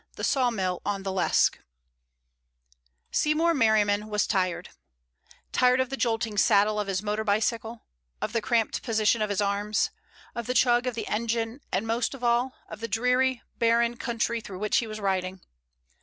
THE SAWMILL ON THE LESQUE Seymour Merriman was tired; tired of the jolting saddle of his motor bicycle, of the cramped position of his arms, of the chug of the engine, and most of all, of the dreary, barren country through which he was riding.